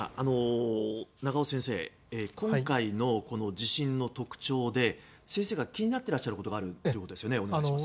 長尾先生、今回の地震の特徴で先生が気になっていることがあるんですよね。